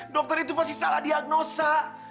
dokter itu pasti salah diagnosa